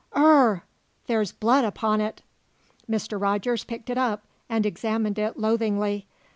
"Ur rh! There's blood upon it!" Mr. Rogers picked it up and examined it loathingly.